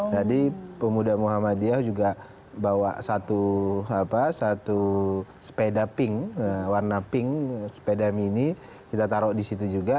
jadi pemuda muhammadiyah juga bawa satu sepeda pink warna pink sepeda mini kita taruh di situ juga